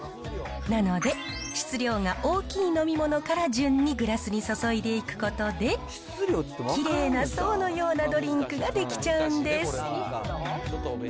なので、質量が大きい飲み物から順にグラスに注いでいくことで、きれいな層のようなドリンクができちゃうんです。